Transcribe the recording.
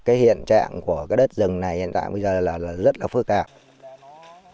cái hiện trạng của cái đất rừng này hiện tại bây giờ là rất là phức tạp